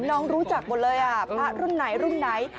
น้องรู้จักหมดเลยพระรุ่นไหนรุ่นไหน